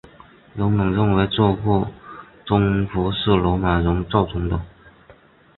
人们认为这个增幅是罗马人造成的。